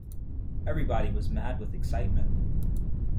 Everybody was mad with excitement.